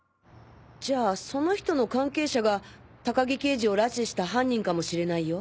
じゃあその人の関係者が高木刑事を拉致した犯人かもしれないよ。